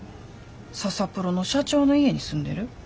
ササプロの社長の家に住んでる？